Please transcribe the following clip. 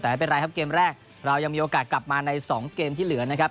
แต่ไม่เป็นไรครับเกมแรกเรายังมีโอกาสกลับมาใน๒เกมที่เหลือนะครับ